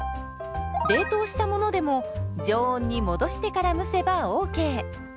冷凍したものでも常温に戻してから蒸せばＯＫ。